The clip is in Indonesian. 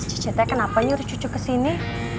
cucu ceritanya kenapa nyuruh cucu ke sini